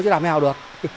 chứ làm heo được